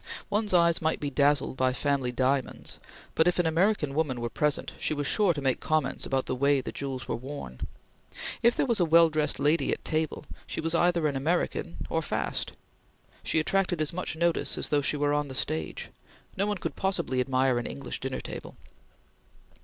One's eyes might be dazzled by family diamonds, but, if an American woman were present, she was sure to make comments about the way the jewels were worn. If there was a well dressed lady at table, she was either an American or "fast." She attracted as much notice as though she were on the stage. No one could possibly admire an English dinner table.